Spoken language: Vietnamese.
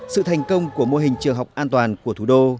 sự thành công của mô hình trường học an toàn của thủ đô